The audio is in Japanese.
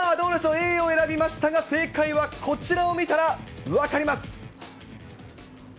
Ａを選びましたが、正解はこちらを見たら分かります。